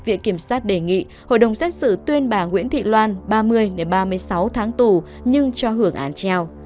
viện kiểm sát đề nghị hội đồng xét xử tuyên bà nguyễn thị loan ba mươi ba mươi sáu tháng tù nhưng cho hưởng án treo